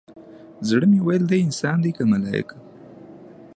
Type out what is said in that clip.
زړه مې ويل دى انسان دى كه ملايك؟